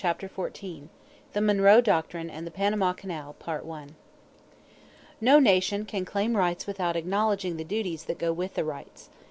CHAPTER XIV THE MONROE DOCTRINE AND THE PANAMA CANAL No nation can claim rights without acknowledging the duties that go with the rights.